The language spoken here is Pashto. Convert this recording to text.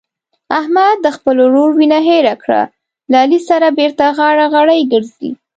احمد د خپل ورور وینه هېره کړه له علي سره بېرته غاړه غړۍ ګرځي.